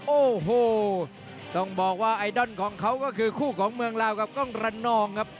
โอ้โหต้องบอกว่าไอดอลของเขาก็คือคู่ของเมืองลาวกับกล้องระนองครับ